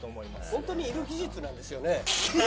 本当にいる技術なんですよね？